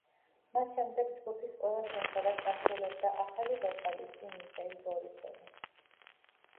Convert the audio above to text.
მას შემდეგ ჯგუფის ყველა სიმღერას ასრულებდა ახალი ვოკალისტი მიხეილ ბორისოვი.